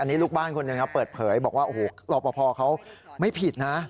อันนี้ลูกบ้านคนหนึ่งเปิดเผยบอกว่าโอ้โหรอปภเขาไม่ผิดนะ